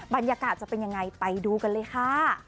บรรยากาศจะเป็นยังไงไปดูกันเลยค่ะ